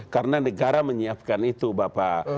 karena negara menyiapkan itu bapak